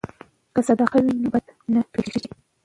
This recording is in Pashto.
که صدقه وي نو بد نه پیښیږي.